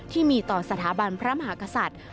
ที่มีต่อสถาบันพระมหากษัตริย์